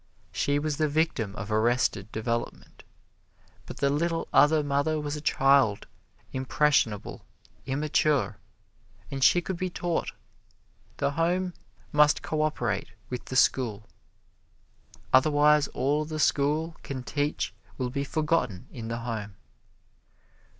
She was the victim of arrested development; but the little other mother was a child, impressionable, immature, and she could be taught. The home must co operate with the school, otherwise all the school can teach will be forgotten in the home.